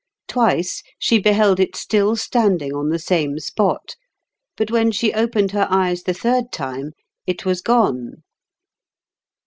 Twice she beheld it still standing on the same spot ; but when she opened her eyes the third time it was gone.